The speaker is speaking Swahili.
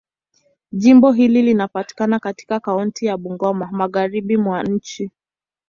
Jimbo hili linapatikana katika kaunti ya Bungoma, Magharibi mwa nchi.